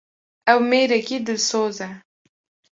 Ew mêrekî dilsoz e.